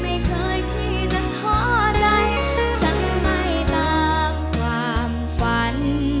ไม่เคยที่จะท้อใจฉันไม่ตามความฝัน